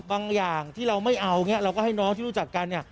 อย่างที่เราไม่เอาอย่างนี้เราก็ให้น้องที่รู้จักกันเนี่ย